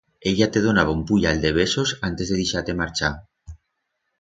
Ella te donaba un puyal de besos antes de deixar-te marchar.